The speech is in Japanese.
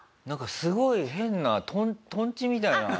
なんかすごい変なとんちみたいな。